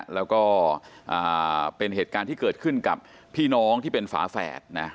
แล้วก็เป็นเหตุการณ์ที่เกิดขึ้นกับพี่น้องที่เป็นฝาแฝดนะ